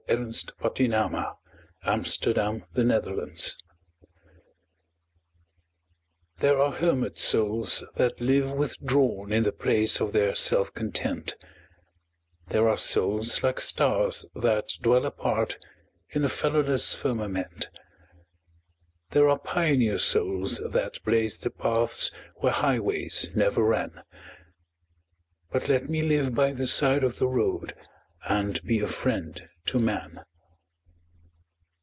W X . Y Z The House by the Side of the Road THERE are hermit souls that live withdrawn In the place of their self content; There are souls like stars, that dwell apart, In a fellowless firmament; There are pioneer souls that blaze the paths Where highways never ran But let me live by the side of the road And be a friend to man.